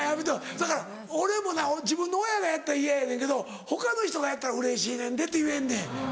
そやから俺もな自分の親がやったら嫌やねんけど他の人がやったら「うれしいねんで」って言えんねん。